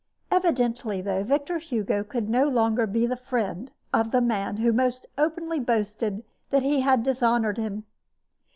Evidently, though, Victor Hugo could no longer be the friend of the man who almost openly boasted that he had dishonored him.